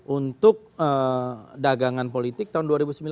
untuk dagangan politik tahun dua ribu sembilan belas